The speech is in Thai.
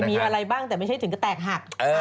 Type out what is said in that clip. มีอะไรบ้างแต่ไม่ใช่ถึงก็แตกหัก